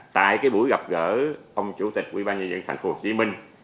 tại buổi gặp gỡ ông chủ tịch ubnd thành phố hồ chí minh